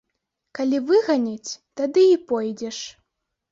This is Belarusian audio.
Калі выганяць, тады і пойдзеш.